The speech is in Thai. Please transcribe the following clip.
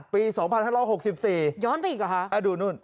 ปีสองพันห้าร้อยหกสิบสี่ย้อนไปอีกหรอฮะอ่ะดูนู่น